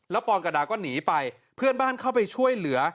ปอนกระดาก็หนีไปเพื่อนบ้านเข้าไปช่วยเหลือ